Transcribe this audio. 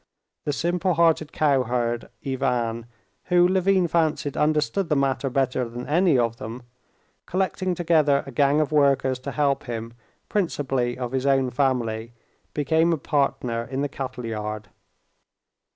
The simple hearted cowherd, Ivan, who, Levin fancied, understood the matter better than any of them, collecting together a gang of workers to help him, principally of his own family, became a partner in the cattle yard.